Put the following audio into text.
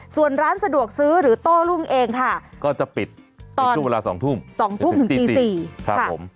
ส่วนร้านสะดวกซื้อหรือโต้รุ่งเองค่ะก็จะปิดช่วงเวลา๒ทุ่ม๒ทุ่มถึงตี๔ครับผม